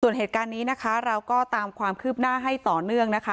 ส่วนเหตุการณ์นี้นะคะเราก็ตามความคืบหน้าให้ต่อเนื่องนะคะ